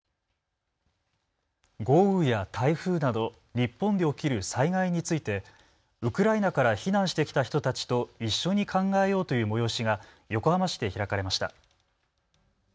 豪雨や台風など日本で起きる災害についてウクライナから避難してきた人たちと一緒に考えようという催しが横浜市で開かれました。